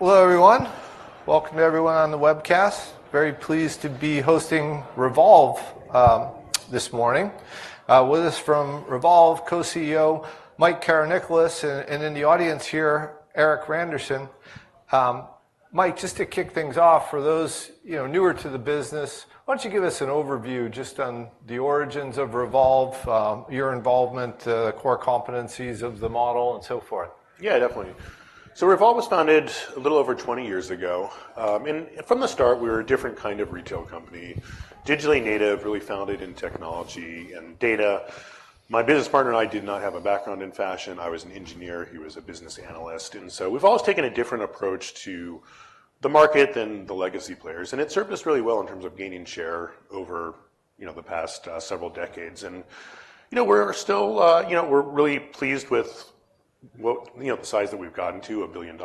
Hello, everyone. Welcome to everyone on the webcast. Very pleased to be hosting Revolve this morning. With us from Revolve, Co-CEO Mike Karanikolas, and in the audience here, Erik Randerson. Mike, just to kick things off, for those, you know, newer to the business, why don't you give us an overview just on the origins of Revolve, your involvement, the core competencies of the model, and so forth? Yeah, definitely. So Revolve was founded a little over 20 years ago. From the start, we were a different kind of retail company, digitally native, really founded in technology and data. My business partner and I did not have a background in fashion. I was an engineer, he was a business analyst. So we've always taken a different approach to the market than the legacy players, and it served us really well in terms of gaining share over, you know, the past several decades. You know, we're still, you know, we're really pleased with what, you know, the size that we've gotten to, $1 billion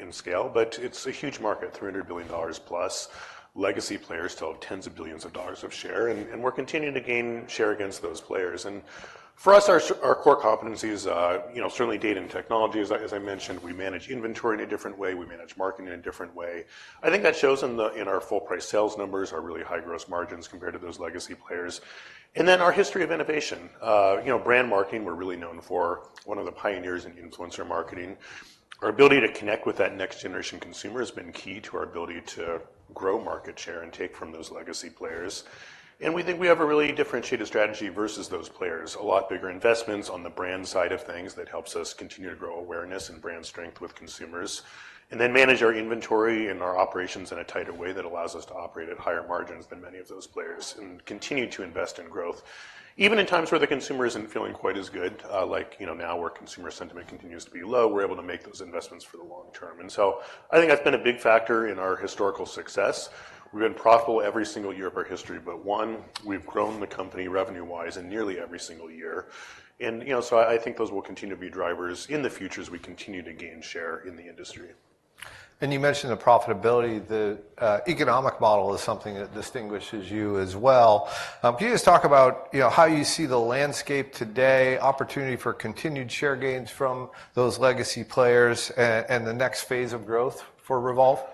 in scale, but it's a huge market, $300 billion plus. Legacy players still have tens of billions of dollars of share, and we're continuing to gain share against those players. And for us, our core competencies are, you know, certainly data and technology. As I, as I mentioned, we manage inventory in a different way, we manage marketing in a different way. I think that shows in our full price sales numbers, our really high gross margins compared to those legacy players. And then our history of innovation. You know, brand marketing, we're really known for one of the pioneers in influencer marketing. Our ability to connect with that next generation consumer has been key to our ability to grow market share and take from those legacy players. And we think we have a really differentiated strategy versus those players. A lot bigger investments on the brand side of things that helps us continue to grow awareness and brand strength with consumers, and then manage our inventory and our operations in a tighter way that allows us to operate at higher margins than many of those players and continue to invest in growth. Even in times where the consumer isn't feeling quite as good, like, you know, now, where consumer sentiment continues to be low, we're able to make those investments for the long term. And so I think that's been a big factor in our historical success. We've been profitable every single year of our history, but one, we've grown the company revenue-wise in nearly every single year. And, you know, so I, I think those will continue to be drivers in the future as we continue to gain share in the industry. You mentioned the profitability. The economic model is something that distinguishes you as well. Can you just talk about, you know, how you see the landscape today, opportunity for continued share gains from those legacy players, and the next phase of growth for Revolve?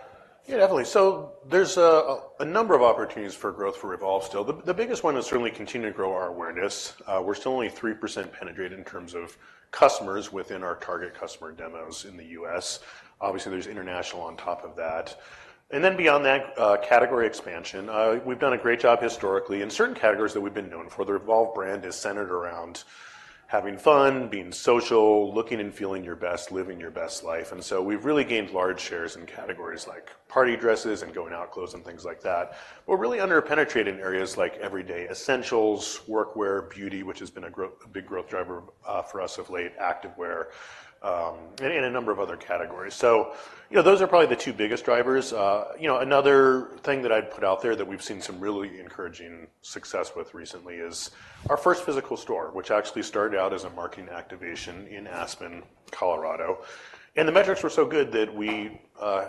Yeah, definitely. So there's a number of opportunities for growth for Revolve still. The biggest one is certainly continuing to grow our awareness. We're still only 3% penetrated in terms of customers within our target customer demos in the U.S. Obviously, there's international on top of that. And then beyond that, category expansion. We've done a great job historically in certain categories that we've been known for. The Revolve brand is centered around having fun, being social, looking and feeling your best, living your best life. And so we've really gained large shares in categories like party dresses and going-out clothes, and things like that. We're really under-penetrated in areas like everyday essentials, workwear, beauty, which has been a big growth driver for us of late, activewear, and a number of other categories. So, you know, those are probably the two biggest drivers. You know, another thing that I'd put out there that we've seen some really encouraging success with recently is our first physical store, which actually started out as a marketing activation in Aspen, Colorado. And the metrics were so good that we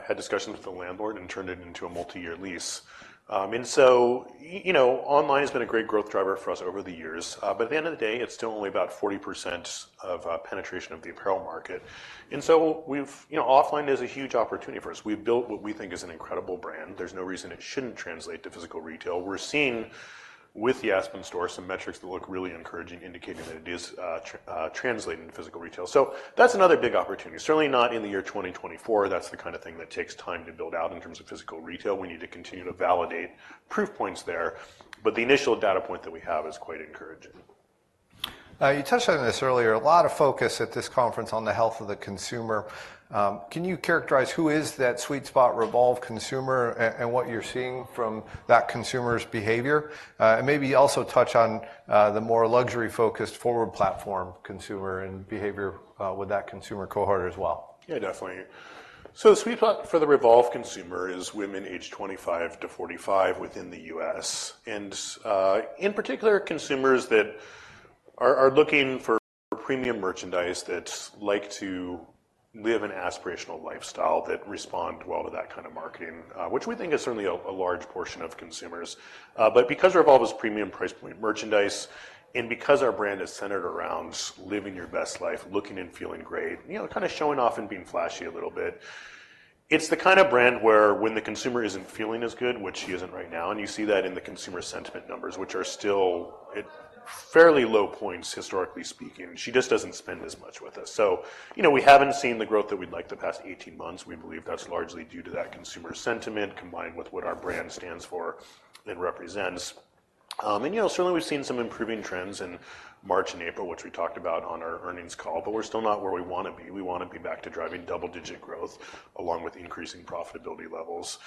had discussions with the landlord and turned it into a multi-year lease. And so, you know, online has been a great growth driver for us over the years, but at the end of the day, it's still only about 40% of penetration of the apparel market. And so we've... You know, offline is a huge opportunity for us. We've built what we think is an incredible brand. There's no reason it shouldn't translate to physical retail. We're seeing, with the Aspen store, some metrics that look really encouraging, indicating that it is translating to physical retail. So that's another big opportunity. Certainly not in the year 2024. That's the kind of thing that takes time to build out in terms of physical retail. We need to continue to validate proof points there, but the initial data point that we have is quite encouraging. You touched on this earlier, a lot of focus at this conference on the health of the consumer. Can you characterize who is that sweet spot Revolve consumer and what you're seeing from that consumer's behavior? And maybe also touch on the more luxury-focused Forward platform consumer and behavior with that consumer cohort as well. Yeah, definitely. So the sweet spot for the Revolve consumer is women aged 25-45 within the U.S., and in particular, consumers that are looking for premium merchandise, that like to live an aspirational lifestyle, that respond well to that kind of marketing, which we think is certainly a large portion of consumers. But because Revolve is premium price point merchandise, and because our brand is centered around living your best life, looking and feeling great, you know, kind of showing off and being flashy a little bit, it's the kind of brand where when the consumer isn't feeling as good, which she isn't right now, and you see that in the consumer sentiment numbers, which are still at fairly low points, historically speaking, she just doesn't spend as much with us. So, you know, we haven't seen the growth that we'd like the past 18 months. We believe that's largely due to that consumer sentiment, combined with what our brand stands for and represents. And, you know, certainly, we've seen some improving trends in March and April, which we talked about on our earnings call, but we're still not where we want to be. We want to be back to driving double-digit growth, along with increasing profitability levels.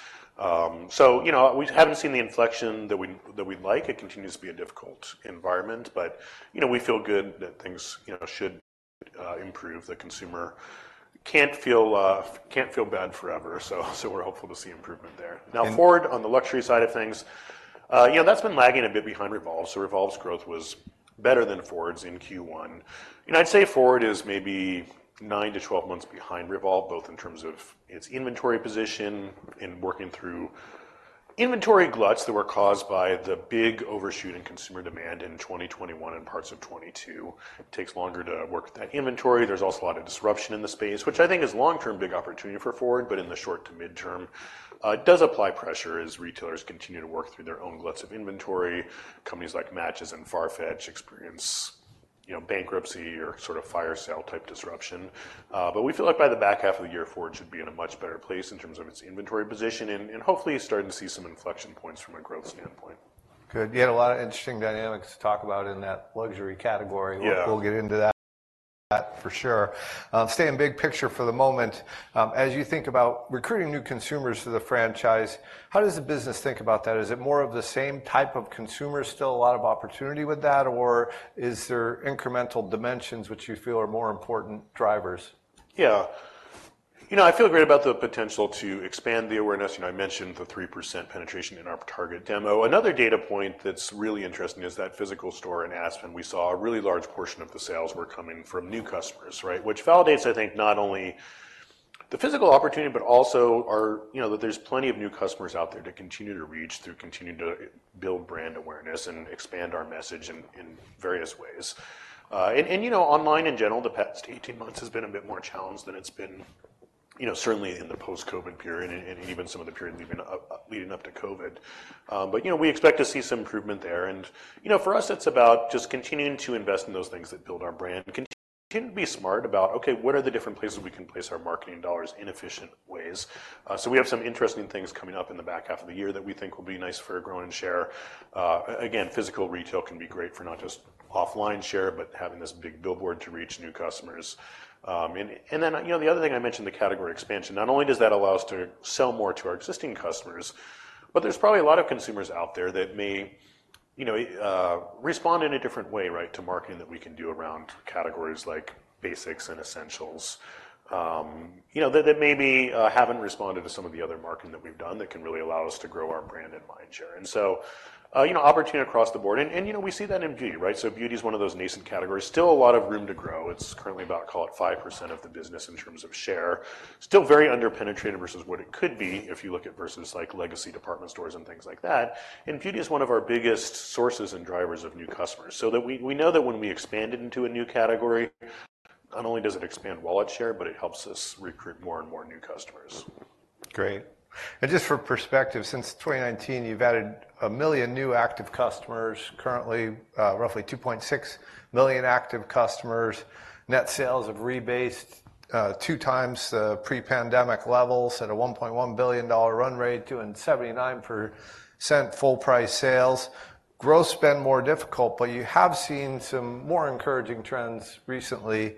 So, you know, we haven't seen the inflection that we'd like. It continues to be a difficult environment, but, you know, we feel good that things, you know, should improve. The consumer can't feel bad forever, so we're hopeful to see improvement there. And- Now, Forward, on the luxury side of things, you know, that's been lagging a bit behind Revolve. So Revolve's growth was better than Forward's in Q1. And I'd say Forward is maybe 9-12 months behind Revolve, both in terms of its inventory position, in working through inventory gluts that were caused by the big overshoot in consumer demand in 2021 and parts of 2022. It takes longer to work with that inventory. There's also a lot of disruption in the space, which I think is long-term big opportunity for Forward, but in the short to midterm, it does apply pressure as retailers continue to work through their own gluts of inventory. Companies like Matches and Farfetch experience, you know, bankruptcy or sort of fire sale type disruption. But we feel like by the back half of the year, Forward should be in a much better place in terms of its inventory position, and hopefully, starting to see some inflection points from a growth standpoint. Good. You had a lot of interesting dynamics to talk about in that luxury category. Yeah. We'll get into that for sure. Staying big picture for the moment, as you think about recruiting new consumers to the franchise, how does the business think about that? Is it more of the same type of consumer, still a lot of opportunity with that, or is there incremental dimensions which you feel are more important drivers? Yeah. You know, I feel great about the potential to expand the awareness. You know, I mentioned the 3% penetration in our target demo. Another data point that's really interesting is that physical store in Aspen, we saw a really large portion of the sales were coming from new customers, right? Which validates, I think, not only the physical opportunity, but also our, you know, that there's plenty of new customers out there to continue to reach through, continue to build brand awareness and expand our message in various ways. And you know, online, in general, the past 18 months has been a bit more challenged than it's been, you know, certainly in the post-COVID period and even some of the period leading up to COVID. But, you know, we expect to see some improvement there, and, you know, for us, it's about just continuing to invest in those things that build our brand. Continue to be smart about, okay, what are the different places we can place our marketing dollars in efficient ways? So we have some interesting things coming up in the back half of the year that we think will be nice for growing share. Again, physical retail can be great for not just offline share, but having this big billboard to reach new customers. Then, you know, the other thing I mentioned, the category expansion, not only does that allow us to sell more to our existing customers, but there's probably a lot of consumers out there that may, you know, respond in a different way, right, to marketing that we can do around categories like basics and essentials, you know, that maybe haven't responded to some of the other marketing that we've done that can really allow us to grow our brand and mindshare. And so, you know, opportunity across the board, and, you know, we see that in beauty, right? So beauty is one of those nascent categories. Still a lot of room to grow. It's currently about, call it, 5% of the business in terms of share. Still very under-penetrated versus what it could be if you look at versus, like, legacy department stores and things like that. Beauty is one of our biggest sources and drivers of new customers, so we know that when we expand it into a new category, not only does it expand wallet share, but it helps us recruit more and more new customers. Great. And just for perspective, since 2019, you've added 1 million new active customers, currently, roughly 2.6 million active customers. Net sales have rebased, 2 times the pre-pandemic levels at a $1.1 billion run rate, doing 79% full price sales. Growth spend more difficult, but you have seen some more encouraging trends recently,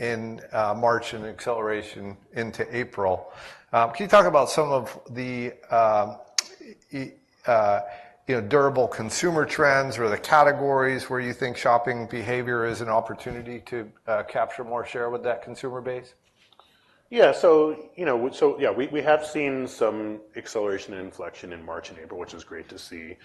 in March and acceleration into April. Can you talk about some of the, you know, durable consumer trends or the categories where you think shopping behavior is an opportunity to, capture more share with that consumer base? Yeah, so, you know, so yeah, we have seen some acceleration and inflection in March and April, which is great to see.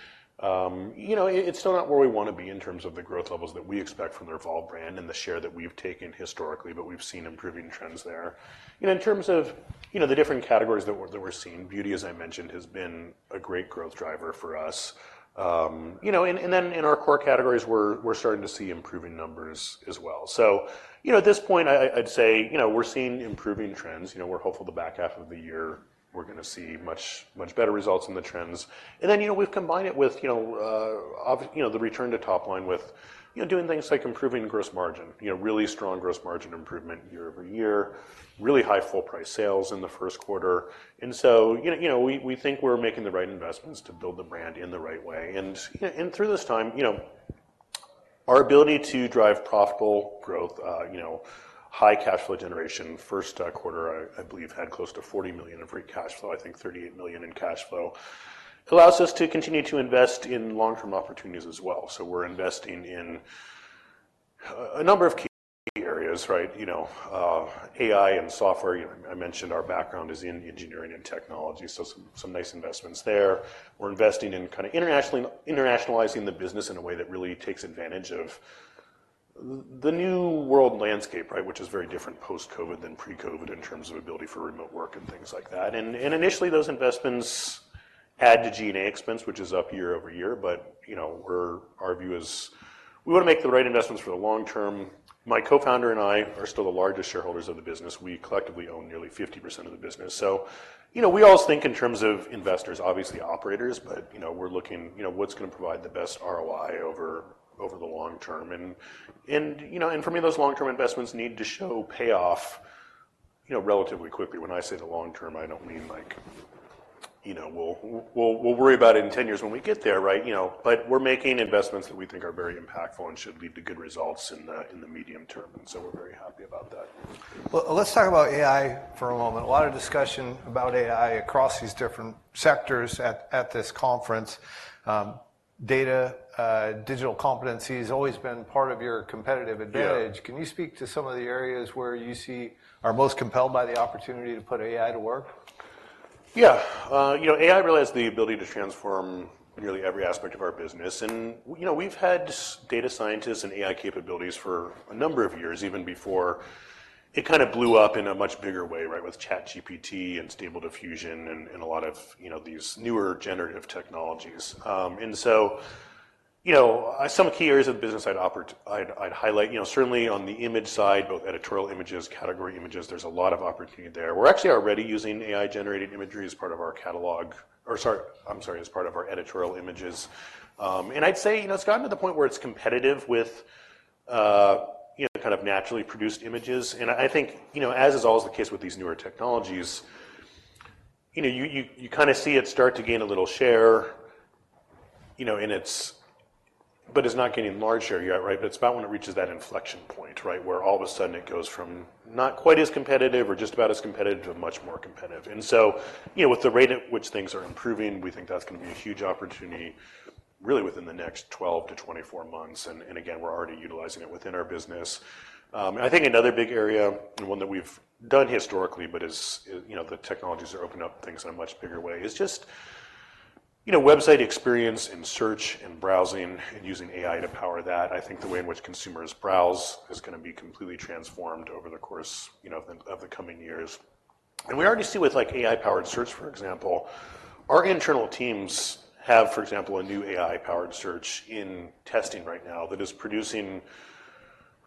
You know, it's still not where we want to be in terms of the growth levels that we expect from the Revolve brand and the share that we've taken historically, but we've seen improving trends there. You know, in terms of the different categories that we're seeing, beauty, as I mentioned, has been a great growth driver for us. You know, and then in our core categories, we're starting to see improving numbers as well. So, you know, at this point, I'd say, you know, we're seeing improving trends. You know, we're hopeful the back half of the year, we're gonna see much better results in the trends. Then, you know, we've combined it with, you know, you know, the return to top line with, you know, doing things like improving gross margin, you know, really strong gross margin improvement year-over-year, really high full price sales in the first quarter. So, you know, you know, we, we think we're making the right investments to build the brand in the right way. And, you know, and through this time, you know, our ability to drive profitable growth, you know, high cash flow generation, first quarter, I, I believe, had close to $40 million in free cash flow, I think $38 million in cash flow, allows us to continue to invest in long-term opportunities as well. So we're investing in a number of key areas, right? You know, AI and software. You know, I mentioned our background is in engineering and technology, so some nice investments there. We're investing in kind of internationalizing the business in a way that really takes advantage of the new world landscape, right, which is very different post-COVID than pre-COVID in terms of ability for remote work and things like that. Initially, those investments add to G&A expense, which is up year-over-year, but, you know, our view is we want to make the right investments for the long term. My co-founder and I are still the largest shareholders of the business. We collectively own nearly 50% of the business. So, you know, we always think in terms of investors, obviously operators, but, you know, we're looking, you know, what's gonna provide the best ROI over the long term. You know, for me, those long-term investments need to show payoff, you know, relatively quickly. When I say the long term, I don't mean, like, you know, we'll worry about it in 10 years when we get there, right? You know, but we're making investments that we think are very impactful and should lead to good results in the medium term, and so we're very happy about that. Well, let's talk about AI for a moment. A lot of discussion about AI across these different sectors at this conference. Data, digital competency has always been part of your competitive advantage. Yeah. Can you speak to some of the areas where you see are most compelled by the opportunity to put AI to work? Yeah, you know, AI realizes the ability to transform nearly every aspect of our business, and, you know, we've had data scientists and AI capabilities for a number of years, even before it kind of blew up in a much bigger way, right, with ChatGPT and Stable Diffusion and a lot of, you know, these newer generative technologies. You know, some key areas of the business I'd highlight, you know, certainly on the image side, both editorial images, category images, there's a lot of opportunity there. We're actually already using AI-generated imagery as part of our catalog, or sorry, I'm sorry, as part of our editorial images. And I'd say, you know, it's gotten to the point where it's competitive with, you know, kind of naturally produced images. And I think, you know, as is always the case with these newer technologies, you know, you kinda see it start to gain a little share, you know, and it's, but it's not getting large share yet, right? But it's about when it reaches that inflection point, right, where all of a sudden it goes from not quite as competitive or just about as competitive to a much more competitive. And so, you know, with the rate at which things are improving, we think that's gonna be a huge opportunity, really within the next 12-24 months, and again, we're already utilizing it within our business. And I think another big area, and one that we've done historically, but as, you know, the technologies are opening up things in a much bigger way, is just, you know, website experience and search and browsing and using AI to power that. I think the way in which consumers browse is gonna be completely transformed over the course, you know, of the coming years. And we already see with, like, AI-powered search, for example, our internal teams have, for example, a new AI-powered search in testing right now that is producing,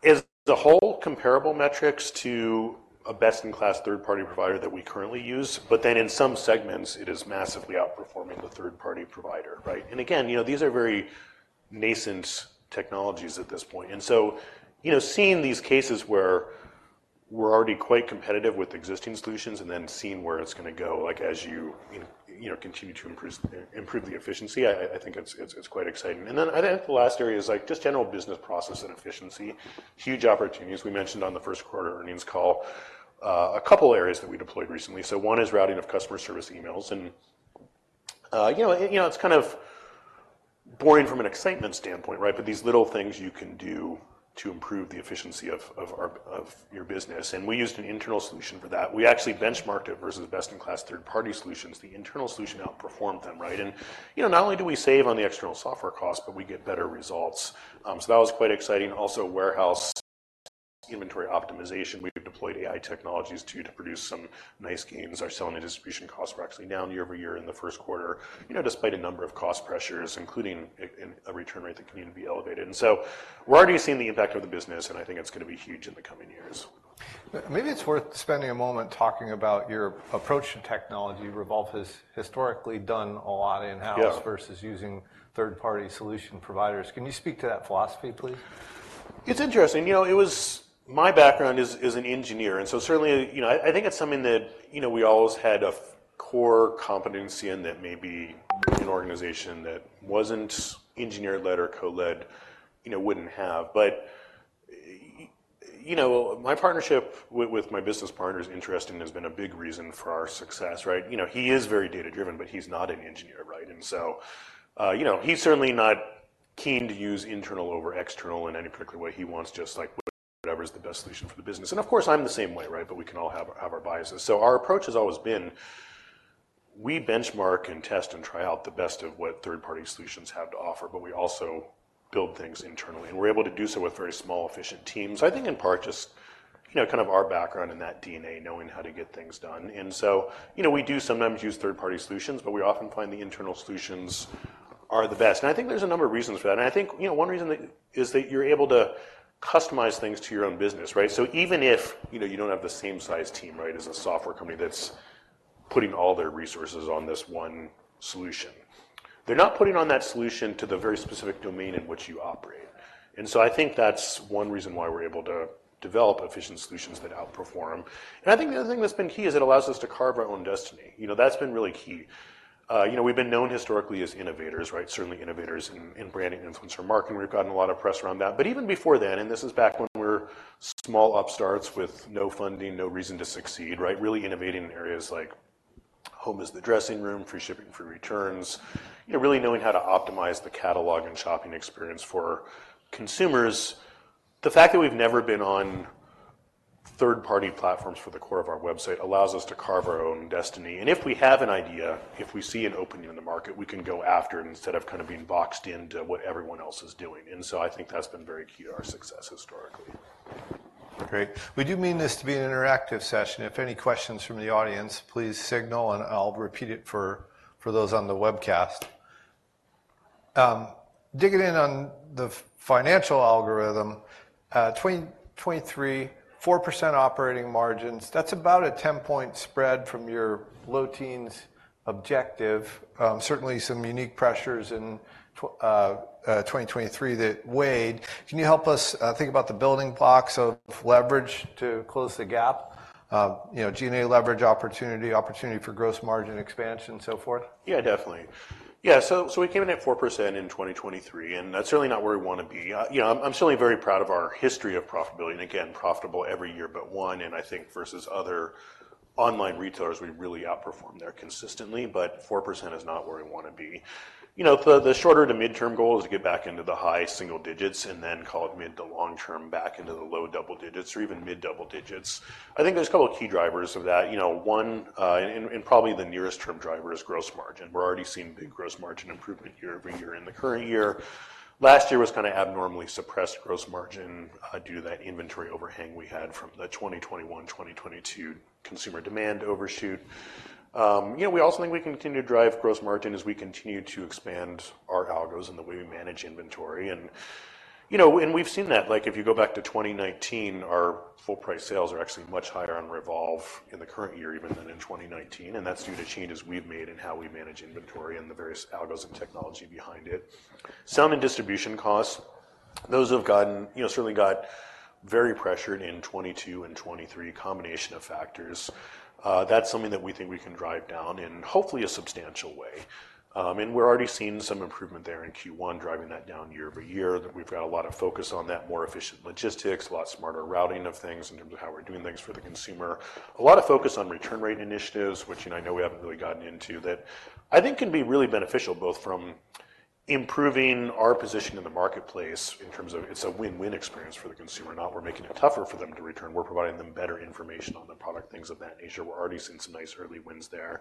as a whole, comparable metrics to a best-in-class third-party provider that we currently use. But then in some segments, it is massively outperforming the third-party provider, right? And again, you know, these are very nascent technologies at this point, and so, you know, seeing these cases where we're already quite competitive with existing solutions and then seeing where it's gonna go, like, as you know, continue to improve the efficiency, I think it's quite exciting. And then I think the last area is, like, just general business process and efficiency. Huge opportunities. We mentioned on the first quarter earnings call, a couple areas that we deployed recently. So one is routing of customer service emails, and, you know, it's kind of boring from an excitement standpoint, right? But these little things you can do to improve the efficiency of your business, and we used an internal solution for that. We actually benchmarked it versus best-in-class third-party solutions. The internal solution outperformed them, right? You know, not only do we save on the external software costs, but we get better results. So that was quite exciting. Also, warehouse inventory optimization, we've deployed AI technologies to produce some nice gains. Our selling and distribution costs were actually down year-over-year in the first quarter, you know, despite a number of cost pressures, including a return rate that continued to be elevated. So we're already seeing the impact of the business, and I think it's gonna be huge in the coming years. Maybe it's worth spending a moment talking about your approach to technology. Revolve has historically done a lot in-house- Yeah. versus using third-party solution providers. Can you speak to that philosophy, please? It's interesting, you know. My background is an engineer, and so certainly, you know, I think it's something that, you know, we always had a core competency, and that may be an organization that wasn't engineer-led or co-led, you know, wouldn't have. But you know, my partnership with my business partner is interesting, has been a big reason for our success, right? You know, he is very data driven, but he's not an engineer, right? And so, you know, he's certainly not keen to use internal over external in any particular way. He wants just, like, whatever is the best solution for the business. And of course, I'm the same way, right? But we can all have our biases. So our approach has always been, we benchmark and test and try out the best of what third-party solutions have to offer, but we also build things internally, and we're able to do so with very small, efficient teams. I think in part, just, you know, kind of our background in that DNA, knowing how to get things done. And so, you know, we do sometimes use third-party solutions, but we often find the internal solutions are the best. And I think there's a number of reasons for that. And I think, you know, one reason is that you're able to customize things to your own business, right? So even if, you know, you don't have the same size team, right, as a software company that's putting all their resources on this one solution, they're not putting on that solution to the very specific domain in which you operate. And so I think that's one reason why we're able to develop efficient solutions that outperform. And I think the other thing that's been key is it allows us to carve our own destiny. You know, that's been really key. You know, we've been known historically as innovators, right? Certainly innovators in branding, influencer marketing. We've gotten a lot of press around that. But even before then, and this is back when we're small upstarts with no funding, no reason to succeed, right? Really innovating in areas like home is the dressing room, free shipping, free returns, you know, really knowing how to optimize the catalog and shopping experience for consumers. The fact that we've never been on third-party platforms for the core of our website allows us to carve our own destiny. And if we have an idea, if we see an opening in the market, we can go after it instead of kind of being boxed into what everyone else is doing. And so I think that's been very key to our success historically. Great. We do mean this to be an interactive session. If any questions from the audience, please signal, and I'll repeat it for, for those on the webcast. Digging in on the financial algorithm, 2023, 4% operating margins, that's about a 10-point spread from your low teens objective. Certainly some unique pressures in 2023 that weighed. Can you help us think about the building blocks of leverage to close the gap? You know, G&A leverage opportunity, opportunity for gross margin expansion, and so forth. Yeah, definitely. Yeah, so, so we came in at 4% in 2023, and that's certainly not where we want to be. You know, I'm certainly very proud of our history of profitability, and again, profitable every year, but one, and I think versus other online retailers, we really outperform there consistently, but 4% is not where we want to be. You know, the shorter to midterm goal is to get back into the high single digits and then call it mid to long term, back into the low double digits or even mid double digits. I think there's a couple of key drivers of that. You know, one, and probably the nearest term driver is gross margin. We're already seeing big gross margin improvement year-over-year in the current year. Last year was kind of abnormally suppressed gross margin due to that inventory overhang we had from the 2021, 2022 consumer demand overshoot. You know, we also think we can continue to drive gross margin as we continue to expand our algos and the way we manage inventory. And, you know, and we've seen that, like, if you go back to 2019, our full price sales are actually much higher on Revolve in the current year even than in 2019, and that's due to changes we've made in how we manage inventory and the various algos and technology behind it. Selling and distribution costs, those have gotten, you know, certainly got very pressured in 2022 and 2023, combination of factors. That's something that we think we can drive down in hopefully a substantial way. And we're already seeing some improvement there in Q1, driving that down year-over-year, that we've got a lot of focus on that, more efficient logistics, a lot smarter routing of things in terms of how we're doing things for the consumer. A lot of focus on return rate initiatives, which, and I know we haven't really gotten into, that I think can be really beneficial, both from improving our position in the marketplace in terms of it's a win-win experience for the consumer. Not we're making it tougher for them to return, we're providing them better information on the product, things of that nature. We're already seeing some nice early wins there.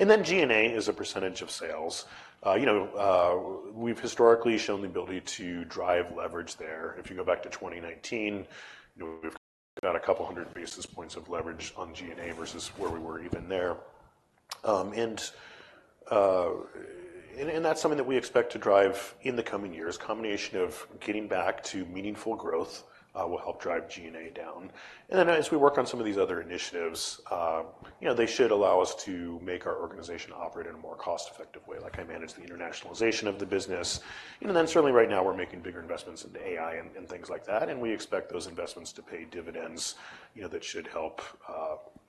And then G&A is a percentage of sales. You know, we've historically shown the ability to drive leverage there. If you go back to 2019, you know, we've about 200 basis points of leverage on G&A versus where we were even there. And that's something that we expect to drive in the coming years. Combination of getting back to meaningful growth will help drive G&A down. And then as we work on some of these other initiatives, you know, they should allow us to make our organization operate in a more cost-effective way. Like I manage the internationalization of the business, and then certainly right now, we're making bigger investments into AI and things like that, and we expect those investments to pay dividends, you know, that should help,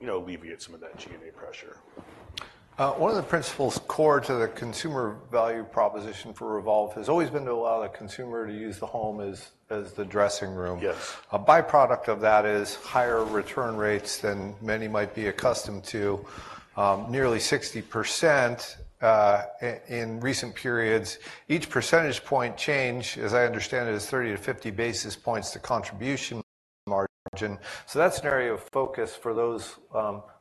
you know, alleviate some of that G&A pressure. One of the principles core to the consumer value proposition for Revolve has always been to allow the consumer to use the home as the dressing room. Yes. A by-product of that is higher return rates than many might be accustomed to, nearly 60%, in recent periods. Each percentage point change, as I understand it, is 30-50 basis points to contribution margin. So that's an area of focus for those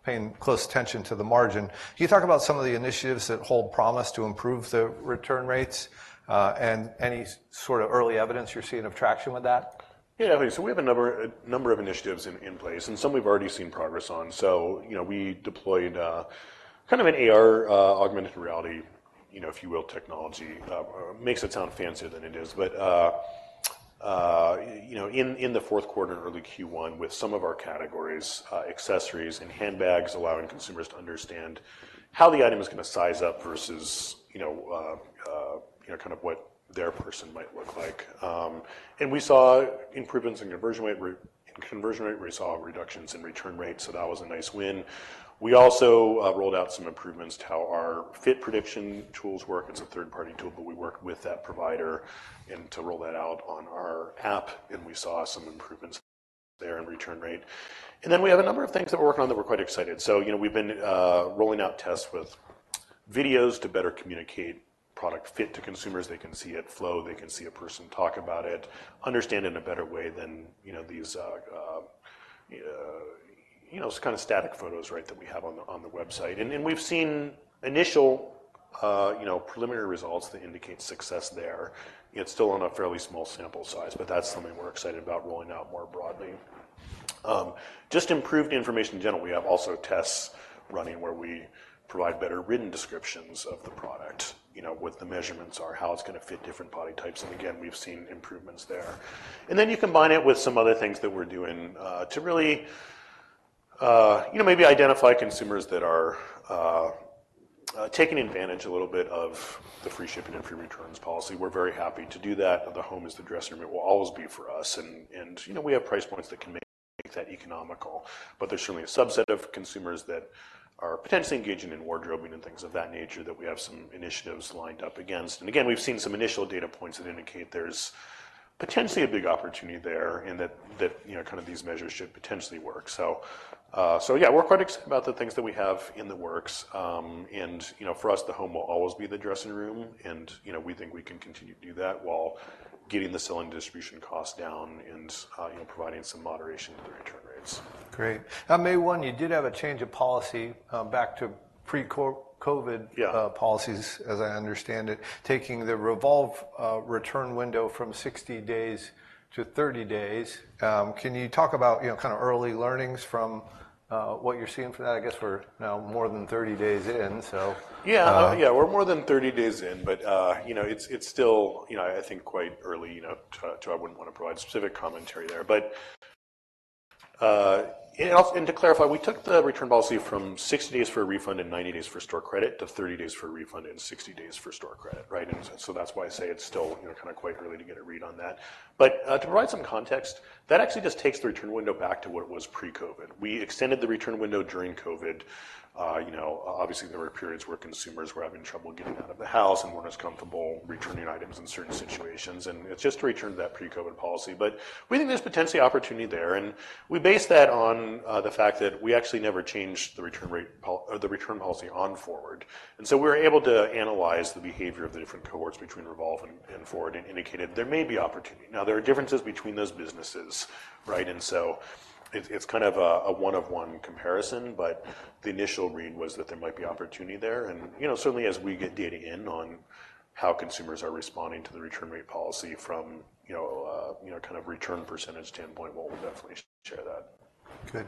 paying close attention to the margin. Can you talk about some of the initiatives that hold promise to improve the return rates, and any sort of early evidence you're seeing of traction with that? Yeah, so we have a number, a number of initiatives in place, and some we've already seen progress on. So, you know, we deployed kind of an AR, augmented reality, you know, if you will, technology. Makes it sound fancier than it is, but, you know, in the fourth quarter and early Q1, with some of our categories, accessories and handbags, allowing consumers to understand how the item is gonna size up versus, you know, kind of what their person might look like. And we saw improvements in conversion rate, in conversion rate, we saw reductions in return rates, so that was a nice win. We also rolled out some improvements to how our fit prediction tools work. It's a third-party tool, but we work with that provider, and to roll that out on our app, and we saw some improvements there in return rate. And then we have a number of things that we're working on that we're quite excited. So, you know, we've been rolling out tests with videos to better communicate product fit to consumers. They can see it flow, they can see a person talk about it, understand in a better way than, you know, these kind of static photos, right, that we have on the website. And we've seen initial, you know, preliminary results that indicate success there. It's still on a fairly small sample size, but that's something we're excited about rolling out more broadly. Just improved information in general. We have also tests running where we provide better written descriptions of the product, you know, what the measurements are, how it's gonna fit different body types, and again, we've seen improvements there. Then you combine it with some other things that we're doing, to really, you know, maybe identify consumers that are taking advantage a little bit of the free shipping and free returns policy. We're very happy to do that. The home is the dressing room. It will always be for us, and you know, we have price points that can make that economical, but there's certainly a subset of consumers that are potentially engaging in wardrobing and things of that nature that we have some initiatives lined up against. And again, we've seen some initial data points that indicate there's potentially a big opportunity there, and that you know kind of these measures should potentially work. So, so yeah, we're quite excited about the things that we have in the works. And, you know, for us, the home will always be the dressing room, and, you know, we think we can continue to do that while getting the selling and distribution costs down and you know providing some moderation in the return rates. Great. Now, May 1, you did have a change of policy, back to pre-COVID- Yeah... policies, as I understand it, taking the Revolve return window from 60 days to 30 days. Can you talk about, you know, kind of early learnings from what you're seeing for that? I guess we're now more than 30 days in, so- Yeah. Yeah, we're more than 30 days in, but, you know, it's still, you know, I think, quite early, you know, to, I wouldn't want to provide specific commentary there. But, and also, to clarify, we took the return policy from 60 days for a refund and 90 days for store credit to 30 days for a refund and 60 days for store credit, right? And so that's why I say it's still, you know, kind of quite early to get a read on that. But, to provide some context, that actually just takes the return window back to what it was pre-COVID. We extended the return window during COVID. You know, obviously, there were periods where consumers were having trouble getting out of the house and weren't as comfortable returning items in certain situations, and it's just to return to that pre-COVID policy. But we think there's potentially opportunity there, and we base that on the fact that we actually never changed the return policy on Forward. And so we're able to analyze the behavior of the different cohorts between Revolve and Forward, and indicated there may be opportunity. Now, there are differences between those businesses, right? And so it's kind of a one-of-one comparison, but the initial read was that there might be opportunity there. You know, certainly as we get data in on how consumers are responding to the return rate policy from, you know, kind of return percentage standpoint, well, we'll definitely share that. Good.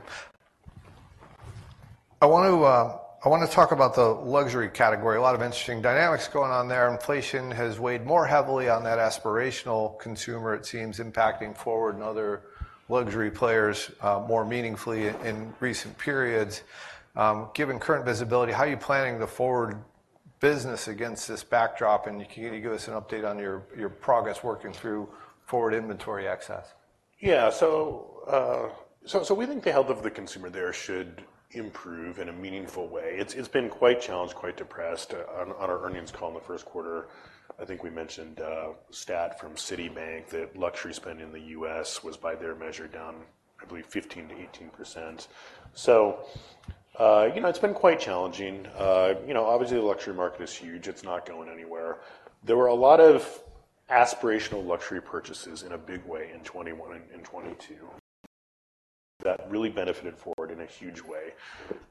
I want to talk about the luxury category. A lot of interesting dynamics going on there. Inflation has weighed more heavily on that aspirational consumer, it seems, impacting Forward and other luxury players more meaningfully in recent periods. Given current visibility, how are you planning the Forward business against this backdrop, and can you give us an update on your progress working through Forward inventory excess? Yeah, so we think the health of the consumer there should improve in a meaningful way. It's been quite challenged, quite depressed. On our earnings call in the first quarter, I think we mentioned a stat from Citibank, that luxury spend in the U.S. was, by their measure, down, I believe, 15%-18%. So, you know, it's been quite challenging. You know, obviously, the luxury market is huge. It's not going anywhere. There were a lot of aspirational luxury purchases in a big way in 2021 and in 2022. That really benefited Forward in a huge way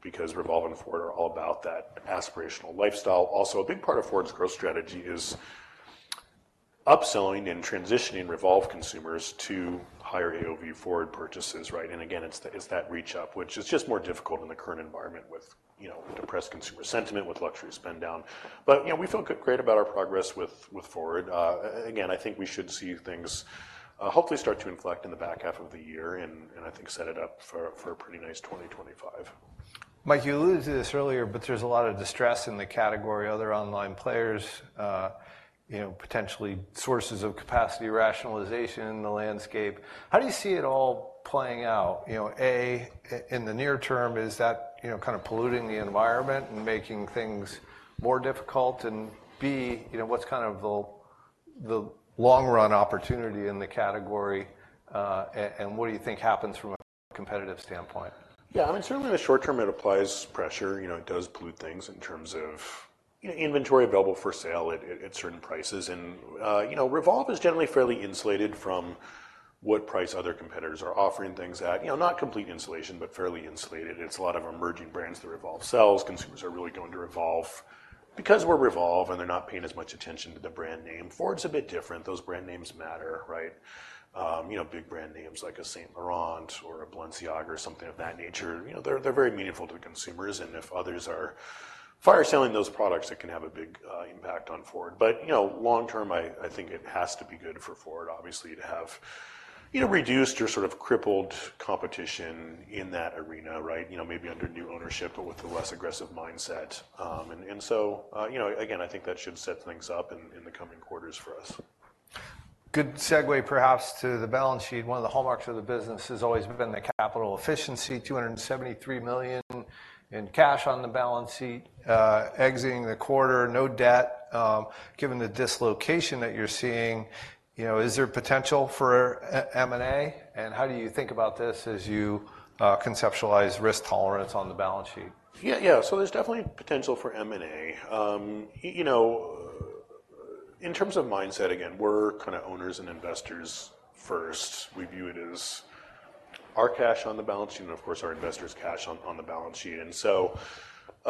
because Revolve and Forward are all about that aspirational lifestyle. Also, a big part of Forward's growth strategy is upselling and transitioning Revolve consumers to higher AOV Forward purchases, right? And again, it's that reach up, which is just more difficult in the current environment with, you know, with depressed consumer sentiment, with luxury spend down. But, you know, we feel great about our progress with Forward. Again, I think we should see things hopefully start to inflect in the back half of the year, and I think set it up for a pretty nice 2025. Mike, you alluded to this earlier, but there's a lot of distress in the category, other online players, you know, potentially sources of capacity, rationalization in the landscape. How do you see it all playing out? You know, A, in the near term, is that, you know, kind of polluting the environment and making things more difficult? And B, you know, what's kind of the long-run opportunity in the category, and what do you think happens from a competitive standpoint? Yeah, I mean, certainly in the short term, it applies pressure, you know, it does pollute things in terms of, you know, inventory available for sale at certain prices. And, you know, Revolve is generally fairly insulated from what price other competitors are offering things at. You know, not complete insulation, but fairly insulated. It's a lot of emerging brands that Revolve sells. Consumers are really going to Revolve because we're Revolve, and they're not paying as much attention to the brand name. Forward's a bit different. Those brand names matter, right? You know, big brand names like a Saint Laurent or a Balenciaga or something of that nature, you know, they're very meaningful to consumers, and if others are fire selling those products, it can have a big impact on Forward. But, you know, long term, I, I think it has to be good for Forward, obviously, to have, you know, reduced or sort of crippled competition in that arena, right? You know, maybe under new ownership, but with a less aggressive mindset. And so, you know, again, I think that should set things up in the coming quarters for us. Good segue, perhaps, to the balance sheet. One of the hallmarks of the business has always been the capital efficiency, $273 million in cash on the balance sheet, exiting the quarter, no debt. Given the dislocation that you're seeing, you know, is there potential for a M&A? And how do you think about this as you conceptualize risk tolerance on the balance sheet? Yeah, yeah. So there's definitely potential for M&A. You know, in terms of mindset, again, we're kinda owners and investors first. We view it as our cash on the balance sheet, and of course, our investors' cash on, on the balance sheet. And so,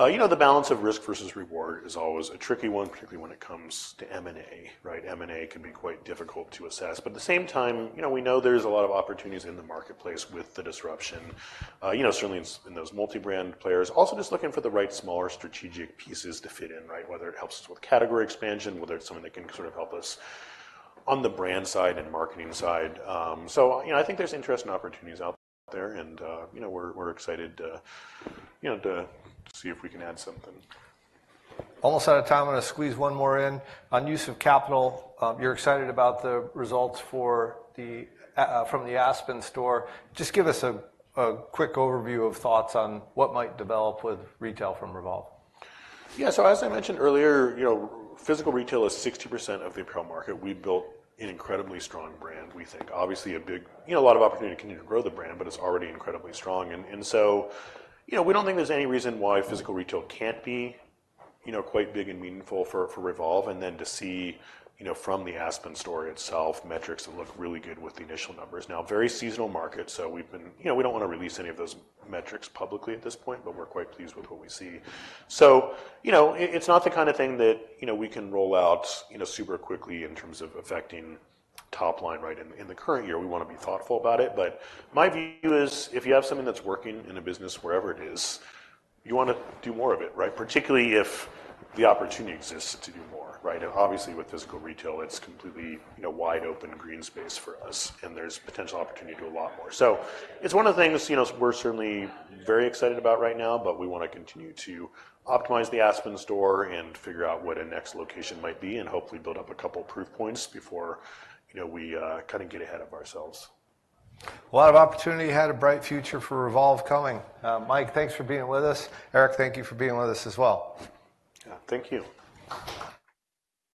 you know, the balance of risk versus reward is always a tricky one, particularly when it comes to M&A, right? M&A can be quite difficult to assess, but at the same time, you know, we know there's a lot of opportunities in the marketplace with the disruption, you know, certainly in those multi-brand players. Also, just looking for the right, smaller strategic pieces to fit in, right? Whether it helps us with category expansion, whether it's something that can sort of help us on the brand side and marketing side. You know, I think there's interesting opportunities out there, and you know, we're excited to, you know, to see if we can add something. Almost out of time. I'm gonna squeeze one more in. On use of capital, you're excited about the results from the Aspen store. Just give us a quick overview of thoughts on what might develop with retail from Revolve. Yeah. So as I mentioned earlier, you know, physical retail is 60% of the apparel market. We've built an incredibly strong brand, we think. Obviously, a big... You know, a lot of opportunity to continue to grow the brand, but it's already incredibly strong, and so, you know, we don't think there's any reason why physical retail can't be, you know, quite big and meaningful for Revolve, and then to see, you know, from the Aspen store itself, metrics that look really good with the initial numbers. Now, very seasonal market, so you know, we don't wanna release any of those metrics publicly at this point, but we're quite pleased with what we see. So, you know, it's not the kind of thing that, you know, we can roll out, you know, super quickly in terms of affecting top line, right? In the current year, we wanna be thoughtful about it, but my view is, if you have something that's working in a business, wherever it is, you wanna do more of it, right? Particularly if the opportunity exists to do more, right? Obviously, with physical retail, it's completely, you know, wide open green space for us, and there's potential opportunity to do a lot more. So it's one of the things, you know, we're certainly very excited about right now, but we wanna continue to optimize the Aspen store and figure out what a next location might be, and hopefully build up a couple proof points before, you know, we kind of get ahead of ourselves. A lot of opportunity ahead, a bright future for Revolve coming. Mike, thanks for being with us. Erik, thank you for being with us as well. Yeah. Thank you.